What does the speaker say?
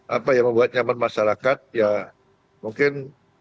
apa ya membuat nyaman masyarakat ya mungkin